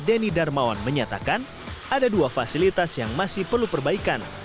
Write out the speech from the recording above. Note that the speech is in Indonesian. denny darmawan menyatakan ada dua fasilitas yang masih perlu perbaikan